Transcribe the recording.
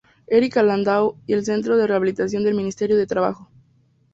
Erika Landau, y en un centro de rehabilitación del Ministerio de Trabajo.